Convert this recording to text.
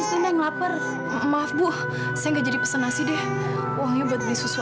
tenang ya fino